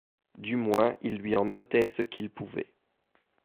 Du moins, ils lui en ôtaient ce qu’ils pouvaient.